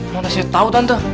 mana saya tau tante